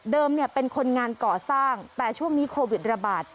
เดิมเนี้ยเป็นคนงานเกาะสร้างแต่ช่วงนี้โควิดระบาด